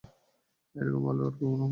এরকম ভালো আর কখনো হবে না।